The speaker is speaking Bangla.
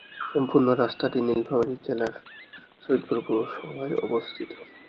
সম্পূর্ণ রাস্তাটি নীলফামারী জেলার সৈয়দপুর পৌরসভায় অবস্থিত।